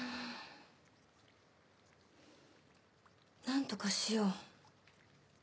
何とかしよう。